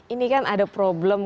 ini kan ada problem